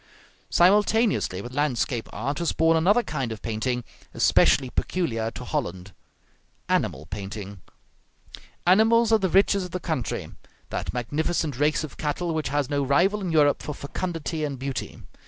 Simultaneously with landscape art was born another kind of painting, especially peculiar to Holland, animal painting. Animals are the riches of the country; that magnificent race of cattle which has no rival in Europe for fecundity and beauty.